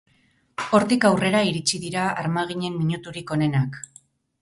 Hortik aurrera iritsi dira armaginen minuturik onenak.